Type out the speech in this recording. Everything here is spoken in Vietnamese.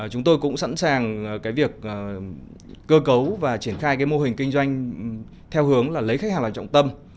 chúng tôi cũng sẵn sàng cái việc cơ cấu và triển khai cái mô hình kinh doanh theo hướng là lấy khách hàng làm trọng tâm